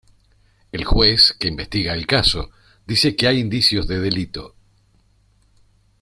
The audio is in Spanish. El juez que investiga el caso dice que hay indicios de delito.